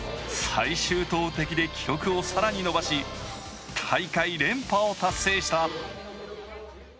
最終投てきで記録をさらに伸ばし大会連覇を達成した